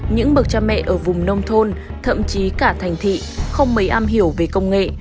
những bậc cha mẹ ở vùng nông thôn thậm chí cả thành thị không mấy am hiểu về công nghệ